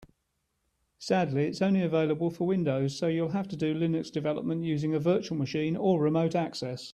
Sadly, it's only available for Windows, so you'll have to do Linux development using a virtual machine or remote access.